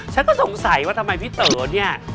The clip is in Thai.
ฉันก็สงสัยว่าทำไมพี่เต๋อเนี่ย